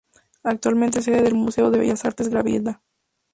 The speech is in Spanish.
Actualmente es la sede del Museo de Bellas Artes Gravina.